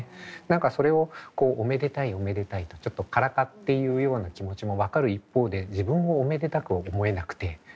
何かそれを「おめでたいおめでたい」とちょっとからかって言うような気持ちも分かる一方で「自分をおめでたく思えなくてどうするんだ。